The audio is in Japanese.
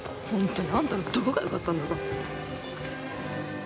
本当にあんたのどこがよかったんだろ。